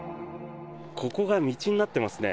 ここが道になっていますね。